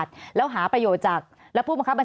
สวัสดีครับทุกคน